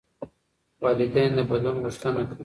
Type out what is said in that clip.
والدین د بدلون غوښتنه کوي.